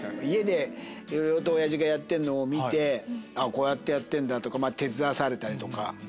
家でいろいろと親父がやってるのを見てこうやってやってんだとか手伝わされたりとか。